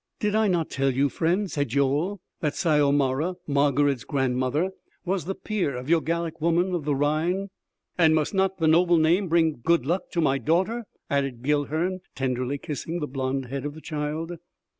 "Did I not tell you, friend," said Joel, "that Syomara, Margarid's grandmother, was the peer of your Gallic woman of the Rhine?" "And must not the noble name bring good luck to my daughter!" added Guilhern tenderly kissing the blonde head of the child.